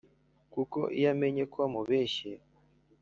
kuko iyo amenye ko umubeshye